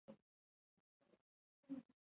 کلتور د افغانانو د فرهنګي پیژندنې برخه ده.